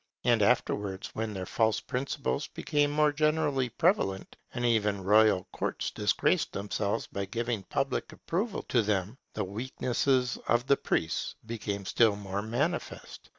And afterwards, when these false principles became more generally prevalent, and even royal courts disgraced themselves by giving public approval to them, the weakness of the priests became still more manifest.